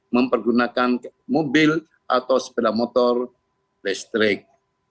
mempergunakan mobil atau sepeda motor listrik